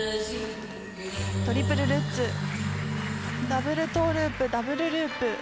トリプルルッツダブルトウループダブルループ。